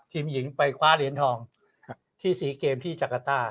ทีมหญิงไปคว้าเหรียญทองที่๔เกมที่จักรต้า